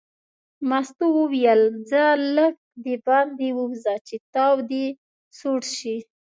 مستو وویل ځه لږ دباندې ووځه چې تاو دې سوړ شي.